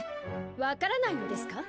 分からないのですか？